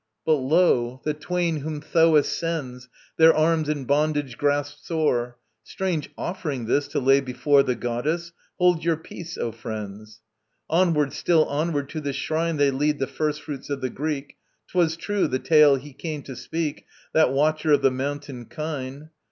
But lo, the twain whom Thoas sends, Their arms in bondage grasped sore; Strange offering this, to lay before The Goddess! Hold your peace, O friends. Onward, still onward, to this shrine They lead the first fruits of the Greek. 'Twas true, the tale he came to speak, That watcher of the mountain kine.